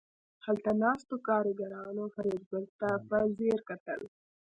هلته ناستو کارګرانو فریدګل ته په ځیر کتل